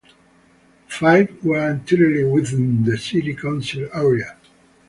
Five were entirely within the city council area.